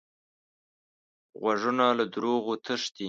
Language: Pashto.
غوږونه له دروغو تښتي